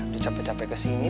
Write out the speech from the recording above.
udah capek capek kesini